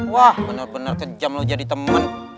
wah bener bener kejam lo jadi temen